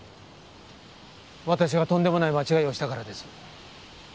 私がとんでもない間違いをしたからです。